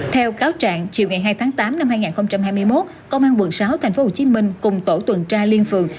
theo cáo trạng chiều ngày hai tháng tám năm hai nghìn hai mươi một công an quận sáu tp hcm cùng tổ tuần tra liên phường